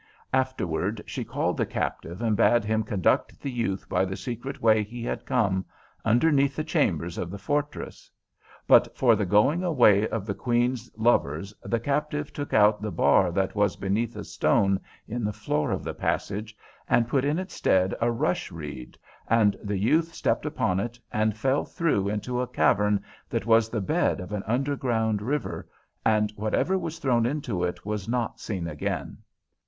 Afterward she called the Captive and bade him conduct the youth by the secret way he had come, underneath the chambers of the fortress. But for the going away of the Queen's lovers the Captive took out the bar that was beneath a stone in the floor of the passage, and put in its stead a rush reed, and the youth stepped upon it and fell through into a cavern that was the bed of an underground river, and whatever was thrown into it was not seen again.